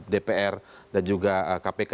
dpr dan juga kpk